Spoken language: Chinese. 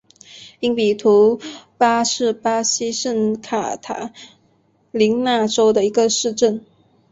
因比图巴是巴西圣卡塔琳娜州的一个市镇。